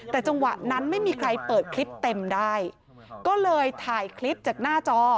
แต่จังหวะนั้นไม่มีใครเปิดคลิปเต็มได้ก็เลยถ่ายคลิปจากหน้าจอ